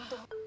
gak tau bang